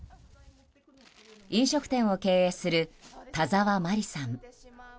飲食店を経営する田沢真理さん。